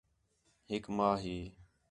ہِک ماں ہی